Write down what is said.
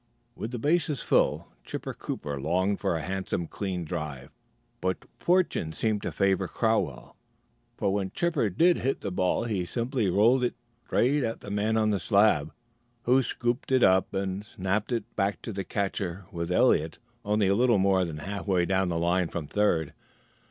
With the bases full, Chipper Cooper longed for a handsome clean drive; but fortune seemed to favor Crowell, for when Chipper did hit the ball he simply rolled it straight at the man on the slab, who scooped it and snapped it back to the catcher with Eliot only a little more than halfway down the line from third.